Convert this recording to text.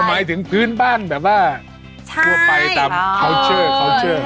อ๋อหมายถึงพื้นบ้านแบบว่าทั่วไปตามคัลเชอร์คัลเชอร์